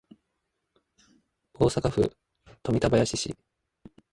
大阪府富田林市